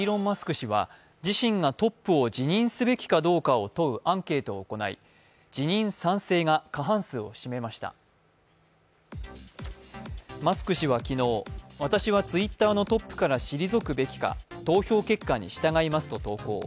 氏は自身がトップを辞任すべきかどうかを問うアンケートを行い辞任賛成が過半数を占めましたマスク氏は昨日、私はＴｗｉｔｔｅｒのトップから退くべきか、投票結果に従いますと投稿。